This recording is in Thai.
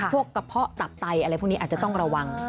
กระเพาะตับไตอะไรพวกนี้อาจจะต้องระวัง